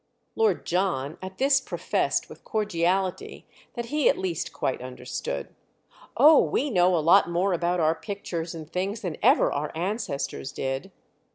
Lord John at this professed with cordiality that he at least quite understood. "Oh, we know a lot more about our pictures and things than ever our ancestors did!"